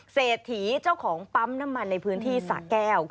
เศรษฐีเจ้าของปั๊มน้ำมันในพื้นที่สะแก้ว